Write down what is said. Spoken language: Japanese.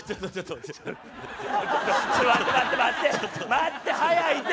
待って早いて。